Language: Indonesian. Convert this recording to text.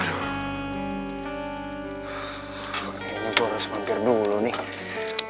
kayaknya gue harus mampir dulu nih kayaknya